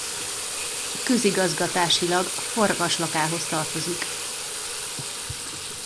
Közigazgatásilag Farkaslakához tartozik.